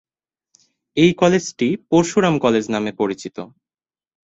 এই কলেজটি "পরশুরাম কলেজ" নামে পরিচিত।